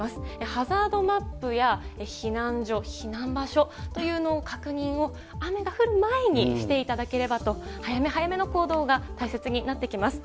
ハザードマップや避難所、避難場所というのを確認を、雨が降る前にしていただければと、早め早めの行動が大切になってきます。